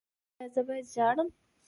ایا زه باید ژاړم؟